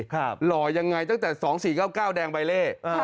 หล่อยังไงตั้งแต่๒๔๙๙แดงใบเล่